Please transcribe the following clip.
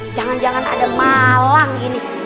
jangan jangan ada malang ini